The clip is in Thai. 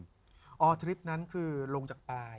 ออทริปนั้นคือลงจากปลาย